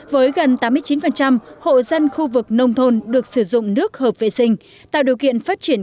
với gần tám mươi chín hộ dân khu vực nông thôn được sử dụng nước hợp vệ sinh tạo điều kiện phát triển